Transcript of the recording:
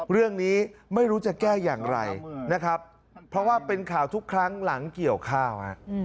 เรื่องนี้ไม่รู้จะแก้อย่างไรนะครับเพราะว่าเป็นข่าวทุกครั้งหลังเกี่ยวข้าว